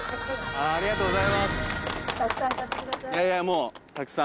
ありがとうございます。